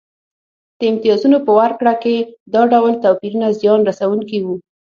د امتیازونو په ورکړه کې دا ډول توپیرونه زیان رسونکي وو